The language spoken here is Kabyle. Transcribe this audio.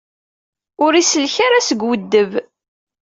Ur isellek ara seg uweddeb.